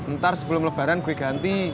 ntar sebelum lebaran gue ganti